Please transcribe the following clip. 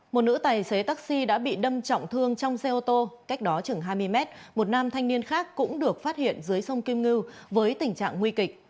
một nữ tài xế taxi đã bị đâm trọng thương trong xe ô tô cách đó chừng hai mươi m một nam thanh niên khác cũng được phát hiện dưới sông kim ngư với tình trạng nguy kịch